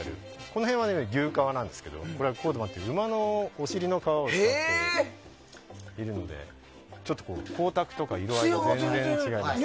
この辺は牛革なんですけどこれはコードバンっていう馬のお尻の革を使ってるのでちょっと光沢とかつやが全然違います。